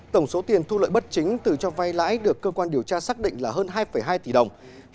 tổng số tiền thu lợi bất chính từ cho vay lãi được cơ quan điều tra xác định là hơn hai hai tỷ đồng